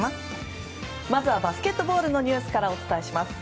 まずはバスケットボールのニュースからお伝えします。